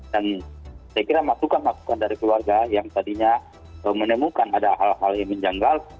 dan saya kira masukan masukan dari keluarga yang tadinya menemukan ada hal hal yang menjanggal